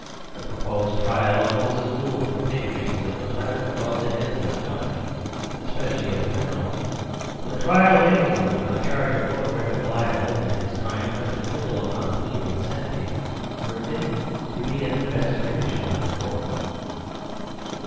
The proposed trial of Moses Gould for patriotism was rather above the heads of the company, especially of the criminal; but the trial of Inglewood on a charge of photographic libel, and his triumphant acquittal upon a plea of insanity, were admitted to be in the best tradition of the Court.